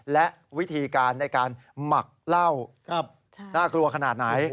และวิธีการในการหมักเหล้าน่ากลัวขนาดไหน